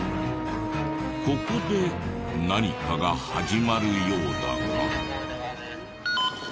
ここで何かが始まるようだが。